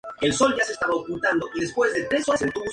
El jersey azul ha sido entregado a dos clasificaciones.